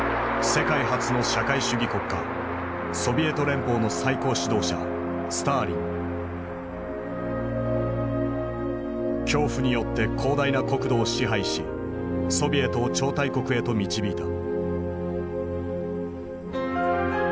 世界初の社会主義国家ソビエト連邦の最高指導者恐怖によって広大な国土を支配しソビエトを超大国へと導いた。